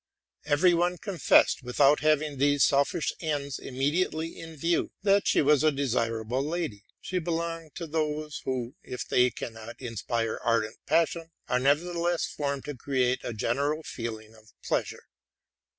Every one confessed, without haying these selfish ends immediately in view, that she was a desirable lady. She belonged to those, who, if they do not inspire ardent passion, are never theless formed to create a general feeling of pleasure.